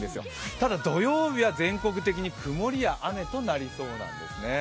唯土曜日は全国的に曇りや雨となりそうなんですね。